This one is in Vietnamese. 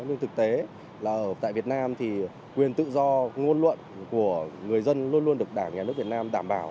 nhưng thực tế là ở tại việt nam thì quyền tự do ngôn luận của người dân luôn luôn được đảng nhà nước việt nam đảm bảo